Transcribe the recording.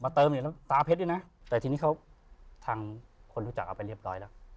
เติมเนี่ยตาเพชรด้วยนะแต่ทีนี้เขาทางคนรู้จักเอาไปเรียบร้อยแล้ว